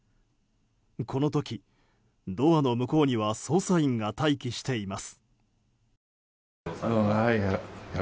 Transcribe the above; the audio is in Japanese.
この時、ドアの向こうには捜査員が待機しています。